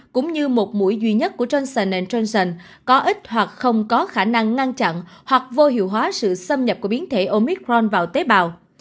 cũng như một mũi duy nhất của tranh sành có ít hoặc không có khả năng ngăn chặn hoặc vô hiệu hóa sự xâm nhập của biến thể omicron vào tế bào